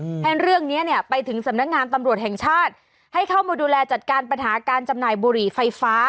เพราะฉะนั้นเรื่องเนี้ยเนี้ยไปถึงสำนักงานตำรวจแห่งชาติให้เข้ามาดูแลจัดการปัญหาการจำหน่ายบุหรี่ไฟฟ้า